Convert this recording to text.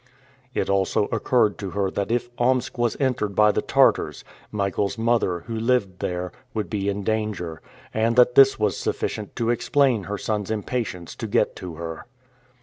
It also occurred to her that if Omsk was entered by the Tartars, Michael's mother, who lived there, would be in danger, and that this was sufficient to explain her son's impatience to get to her.